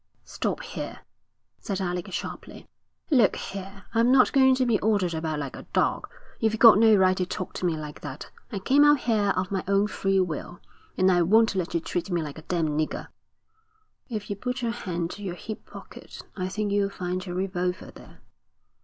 'Stop here,' said Alec sharply. 'Look here, I'm not going to be ordered about like a dog. You've got no right to talk to me like that. I came out here of my own free will, and I won't let you treat me like a damned nigger.' 'If you put your hand to your hip pocket I think you'll find your revolver there.'